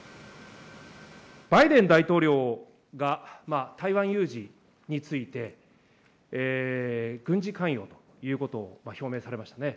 バイデン大統領が、台湾有事について、軍事関与ということを表明されましたね。